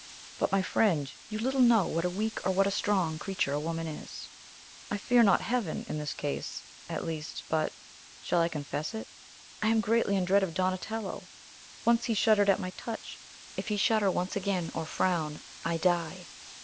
"But, my friend, you little know what a weak or what a strong creature a woman is! I fear not Heaven, in this case, at least, but shall I confess it? I am greatly in dread of Donatello. Once he shuddered at my touch. If he shudder once again, or frown, I die!"